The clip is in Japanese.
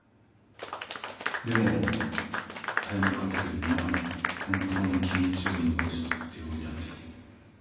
でもタイムカプセルには本当の気持ちを残しておいたんですね。